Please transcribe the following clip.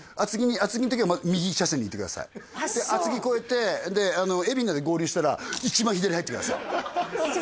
厚木の時は右車線に行ってくださいで厚木越えて海老名で合流したら一番左に入ってください一番左？